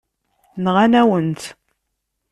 Nɣan-awen-tt.